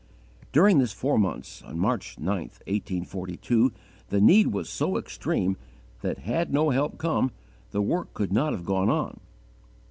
During this four months, on March 9, 1842, the need was so extreme that, had no help come, the work could not have gone on.